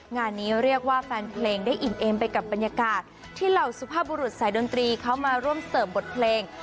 งานนี้เรียกว่าแฟนเพลงได้อิ่มเอ็มไปกับบรรยากาศที่เหล่าสุภาพบุรุษสายดนตรีเขามาร่วมเสิร์ฟบทเพลง